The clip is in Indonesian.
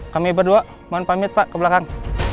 kami berdua mohon pamit pak ke belakang